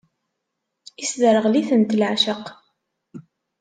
Isderɣel-itent leɛceq.